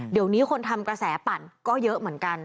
เดี๋ยวนี้คนทำกระแสปั่นก็เยอะเหมือนกัน